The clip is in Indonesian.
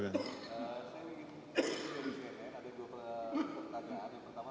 saya ingin beri sedikit pengetahuan